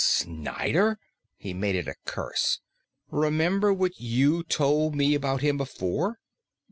"Snyder!" He made it a curse. "Remember what you told me about him before?"